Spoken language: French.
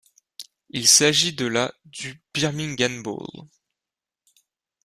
Il s'agit de la du Birmingham Bowl.